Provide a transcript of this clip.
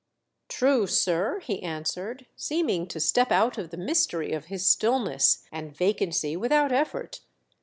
"True, sir," he answered, seeming to step out of the mystery of his stillness and vacancy without effort.